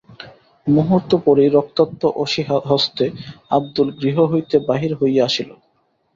মুহূর্ত পরেই রক্তাক্ত অসি হস্তে আবদুল গৃহ হইতে বাহির হইয়া আসিল।